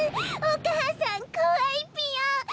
お母さんこわいぴよ。